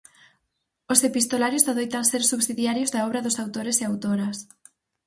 Os epistolarios adoitan ser subsidiarios da obra dos autores e autoras.